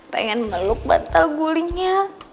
pengen meluk bantal gulingnya